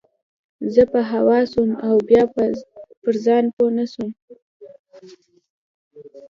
زه په هوا سوم او بيا پر ځان پوه نه سوم.